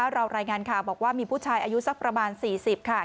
รายงานข่าวบอกว่ามีผู้ชายอายุสักประมาณ๔๐ค่ะ